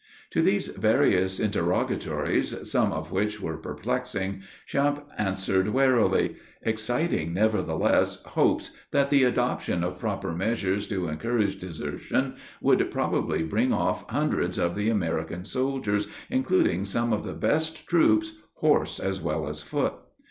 To these various interrogatories, some of which were perplexing, Champe answered warily; exciting, nevertheless, hopes that the adoption of proper measures to encourage desertion, would probably bring off hundreds of the American soldiers, including some of the best troops, horse as well as foot.